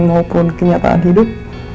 maupun kenyataan hidup